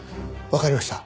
わかりました。